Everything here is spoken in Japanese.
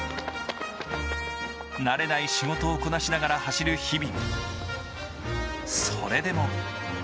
慣れない仕事をこなしながら走る日々。